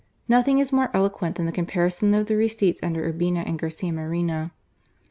Nothing is more eloquent than the com parison of the receipts under Urbina and Garcia Moreno.